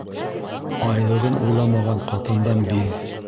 Айлығын уйламаған ҡатындан биҙ.